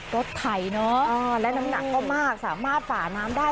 รถไถเนอะและน้ำหนักก็มากสามารถฝ่าน้ำได้